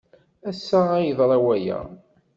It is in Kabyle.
Ass-a ay yeḍra waya.